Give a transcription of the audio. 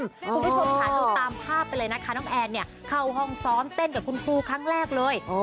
คุณผู้ชมค่ะดูตามภาพไปเลยนะคะน้องแอนเนี่ยเข้าห้องซ้อมเต้นกับคุณครูครั้งแรกเลย